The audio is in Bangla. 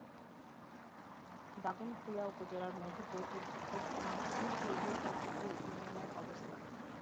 দাগনভূঞা উপজেলার মধ্য-পশ্চিমাংশে পূর্ব চন্দ্রপুর ইউনিয়নের অবস্থান।